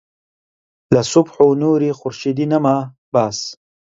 لە سوبح و نووری خورشیدی نەما باس